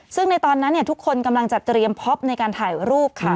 ซึ่งในตอนนั้นทุกคนกำลังจัดเตรียมพ็อปในการถ่ายรูปค่ะ